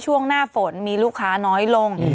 ช่วงหน้าฝนมีลูกค้าน้อยลง